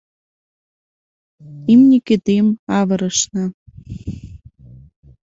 Имне кӱтӱм авырышна.